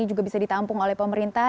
juga bisa ditampung oleh pemerintah